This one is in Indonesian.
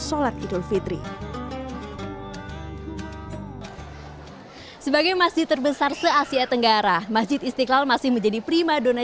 sholat idul fitri sebagai masih terbesar se asia tenggara masjid istiqlal masih menjadi primadona